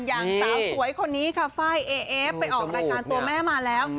อย่างสาวสวยคนนี้ค่ะไฟล์เอเอฟไปออกรายการตัวแม่มาแล้ว